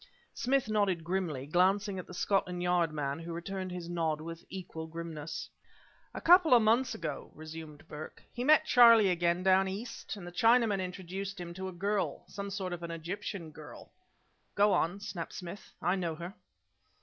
Smith nodded grimly, glancing at the Scotland Yard man, who returned his nod with equal grimness. "A couple of months ago," resumed Burke, "he met Charlie again down East, and the Chinaman introduced him to a girl some sort of an Egyptian girl." "Go on!" snapped Smith "I know her."